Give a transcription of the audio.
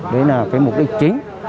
đấy là cái mục đích chính